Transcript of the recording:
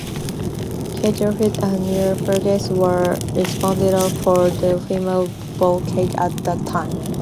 Kati Roloff and Nina Bendigkeit were responsible for the female vocals at that time.